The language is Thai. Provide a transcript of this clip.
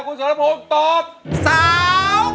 คุณสรบงค์คุณภาพร้อมได้ให้ล้าง